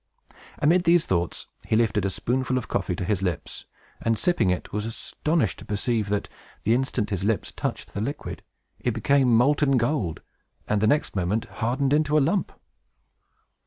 Amid these thoughts, he lifted a spoonful of coffee to his lips, and, sipping it, was astonished to perceive that, the instant his lips touched the liquid, it became molten gold, and, the next moment, hardened into a lump!